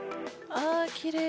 ああきれい。